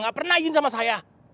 gak pernah izin sama saya